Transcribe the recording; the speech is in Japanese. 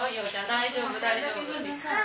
大丈夫大丈夫。